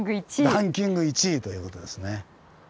ランキング１位ということですね。